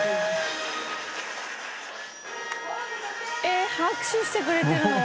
えっ拍手してくれてるの？